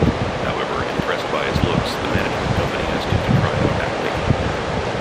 However, impressed by his looks, the management company asked him to try out acting.